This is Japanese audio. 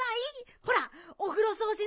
ほらおふろそうじの。